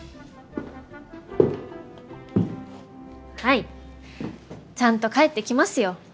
はいちゃんと帰ってきますよ。